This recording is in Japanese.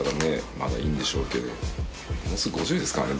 まだいいんでしょうけどもうすぐ５０ですからね